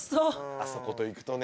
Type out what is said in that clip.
あそこと行くとね。